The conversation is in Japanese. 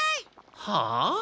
はあ？